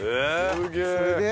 すげえ。